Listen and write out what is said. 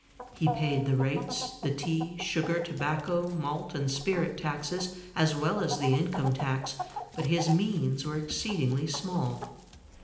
He paid the rates, the tea, sugar, tobacco, malt, and spirit taxes, as well as the income tax, but his means were exceedingly small.